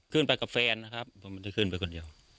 กับแฟนนะครับผมไม่ได้ขึ้นไปคนเดียว